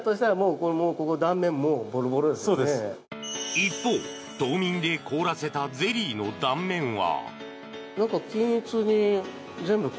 一方、凍眠で凍らせたゼリーの断面は。